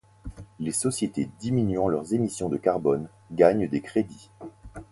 Les sociétés diminuant leur émission de carbone gagnent des crédits.